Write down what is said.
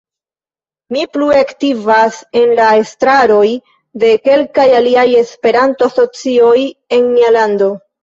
Mi plue aktivas en la estraroj de kelkaj aliaj Esperanto asocioj en mia lando.